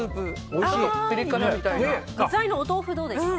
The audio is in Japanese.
具材のお豆腐どうですか？